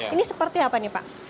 ini seperti apa nih pak